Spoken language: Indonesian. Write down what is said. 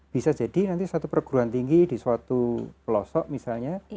bisa jadi nanti suatu perguruan tinggi di suatu pelosok misalnya